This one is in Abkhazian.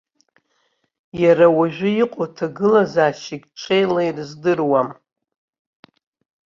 Иара уажә иҟоу аҭагылазаашьагьы ҽеила ирыздыруам.